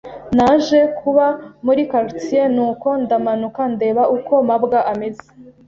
Naje kuba muri quartier, nuko ndamanuka ndeba uko mabwa ameze.